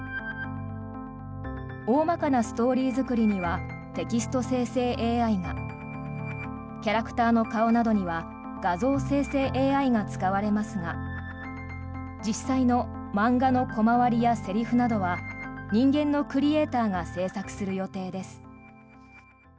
大まかなストーリー作りにはテキスト生成ＡＩがキャラクターの顔などには画像生成ＡＩが使われますが実際の漫画のコマ割りやセリフなどは人間のクリエーターが制作する予定です。